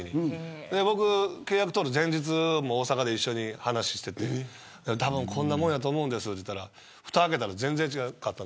契約取る前日も大阪で一緒に話していてたぶん、こんなもんやと思うんですと言ったらふたを開けたら全然違った。